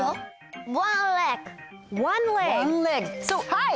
はい！